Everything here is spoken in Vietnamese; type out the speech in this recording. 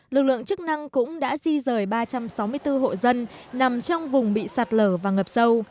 lực lượng chức năng cũng đã di rời ba trăm sáu mươi bốn hộ dân nằm trong vùng bị sạt lở và ngập sâu